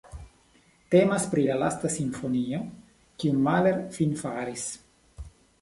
Temas pri la lasta simfonio, kiun Mahler finfaris.